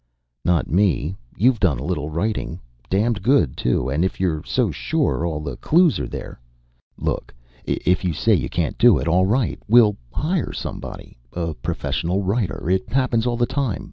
"Not me. You've done a little writing. Damned good, too. And if you're so sure all the clues are there Look, if you say you can't do it, all right, we'll hire somebody. A professional writer. It happens all the time.